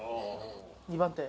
２番手？